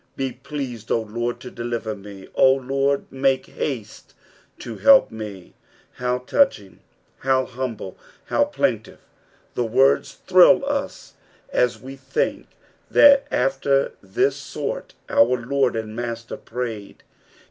"& pletmd, 0 Lord, to deliver me : 0 Lord, male luuU to hdp me." Row touching I How humble ! How plaintive ! The words thrill us as wa think that after this sort our Lord and Master prayed.